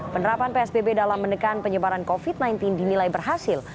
penerapan psbb dalam menekan penyebaran covid sembilan belas dinilai berhasil